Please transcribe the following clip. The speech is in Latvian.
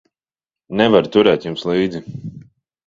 Nevaru turēt jums līdzi.